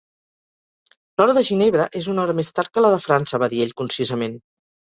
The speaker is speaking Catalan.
"L'hora de Ginebra és una hora més tard que la de França", va dir ell concisament.